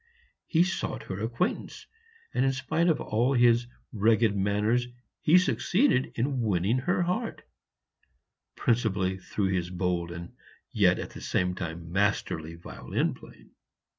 He sought her acquaintance; and in spite of all his rugged manners he succeeded in winning her heart, principally through his bold and yet at the same time masterly violin playing.